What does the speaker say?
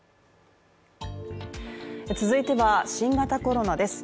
続いては新型コロナです。